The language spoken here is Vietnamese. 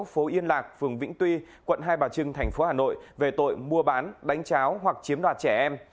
phố yên lạc phường vĩnh tuy quận hai bà trưng thành phố hà nội về tội mua bán đánh cháo hoặc chiếm đoạt trẻ em